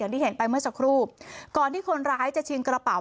ที่เห็นไปเมื่อสักครู่ก่อนที่คนร้ายจะชิงกระเป๋า